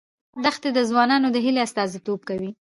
دښتې د ځوانانو د هیلو استازیتوب کوي.